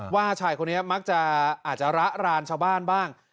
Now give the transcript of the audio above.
ว่าชายคนนี้มักจะอาจจะระรานชาวบ้านบ้าง